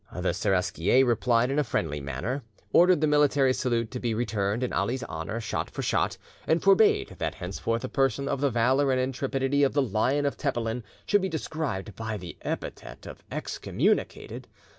The Seraskier replied in a friendly manner, ordered the military salute to be returned in Ali's honour, shot for shot, and forbade that henceforth a person of the valour and intrepidity of the Lion of Tepelen should be described by the epithet of "excommunicated."